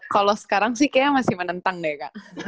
kalau sekarang sih kayaknya masih menentang deh kak